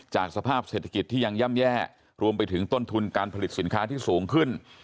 สภาพเศรษฐกิจที่ยังย่ำแย่รวมไปถึงต้นทุนการผลิตสินค้าที่สูงขึ้น